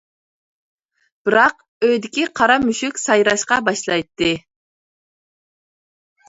بىراق ئۆيدىكى قارا مۈشۈك سايراشقا باشلايتتى.